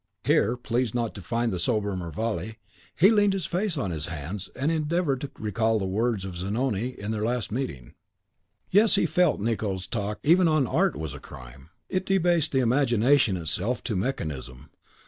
Here, pleased not to find the sober Mervale, he leaned his face on his hands, and endeavoured to recall the words of Zanoni in their last meeting. Yes, he felt Nicot's talk even on art was crime; it debased the imagination itself to mechanism.